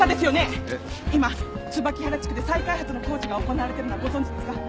今椿原地区で再開発の工事が行われてるのはご存じですか？